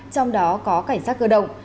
trong đó có cảnh sát cơ động